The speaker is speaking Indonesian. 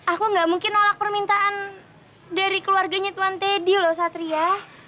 aku nggak mungkin nolak permintaan dari keluarganya tuan teddy loh satri ya